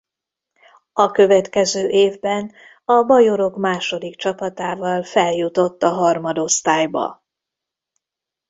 A következő évben a bajorok második csapatával feljutott a harmadosztályba.